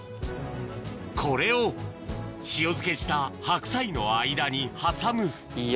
これを塩漬けした白菜の間に挟むいや